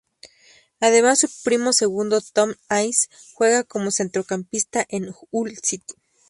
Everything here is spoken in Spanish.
Además su primo segundo, Tom Ince, juega como centrocampista en el Hull City.